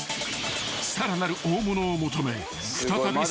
［さらなる大物を求め再び捜索］